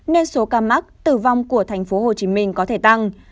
nên số ca mắc tử vong của thành phố hồ chí minh có thể tăng